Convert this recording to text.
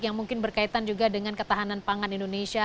yang mungkin berkaitan juga dengan ketahanan pangan indonesia